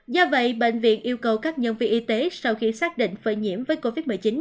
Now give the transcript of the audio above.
do vậy bệnh viện yêu cầu các nhân viên y tế sau khi xác định phơi nhiễm với covid một mươi chín